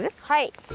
はい。